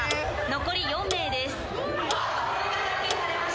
残り４名です。